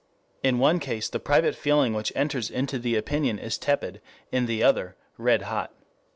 In one case the private feeling which enters into the opinion is tepid, in the other, red hot.